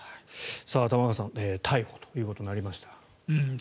玉川さん逮捕ということになりました。